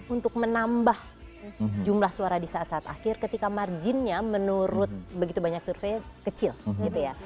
untuk menambah jumlah suara di saat saat akhir ketika marginnya menurut begitu banyak survei kecil gitu ya